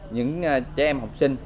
những trẻ em học sinh